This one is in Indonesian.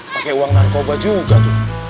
pakai uang narkoba juga tuh